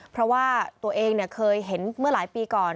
เพราะว่าตัวเองเคยเห็นเมื่อหลายปีก่อน